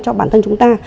cho bản thân chúng ta